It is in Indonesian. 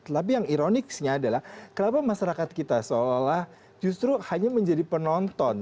tapi yang ironiknya adalah kenapa masyarakat kita seolah olah justru hanya menjadi penonton